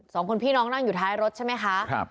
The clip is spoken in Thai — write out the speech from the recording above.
สองคนพี่น้องนั่งอยู่ท้ายรถใช่ไหมคะครับ